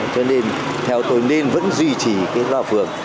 cho nên theo tôi nên vẫn duy trì cái loa phường